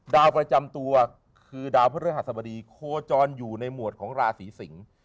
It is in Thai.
ดาวประจำตัวคือดาวพระฤหัสบดีโคจรอยู่ในหมวดของราศีสิงศ์